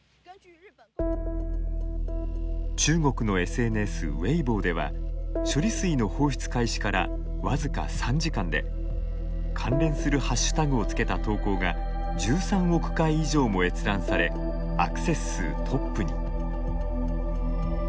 中国のＳＮＳウェイボーでは処理水の放出開始から僅か３時間で関連するハッシュタグをつけた投稿が１３億回以上も閲覧されアクセス数トップに。